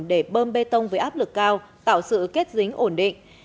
để bơm bê tông với áp lực cao tạo sự kết dính ổn định